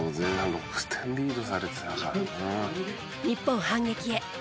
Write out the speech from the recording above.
日本反撃へ。